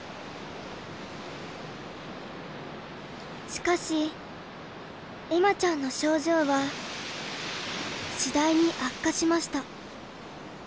しかし恵麻ちゃんの症状は次第に悪化しました。